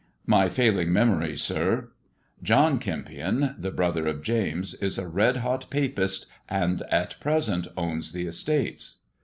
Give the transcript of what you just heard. *' "My failing memory, sir. John Kempion, the brother of James, is a red hot Papist, and at present owns the estates."